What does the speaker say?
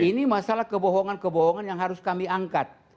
ini masalah kebohongan kebohongan yang harus kami angkat